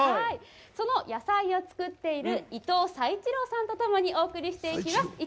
その野菜を作っている伊藤佐一郎さんとともにお送りしていきます。